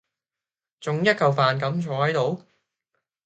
仲一嚿飯咁坐喺度？